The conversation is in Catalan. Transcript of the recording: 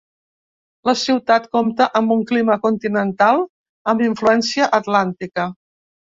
La ciutat compta amb un clima continental amb influència atlàntica.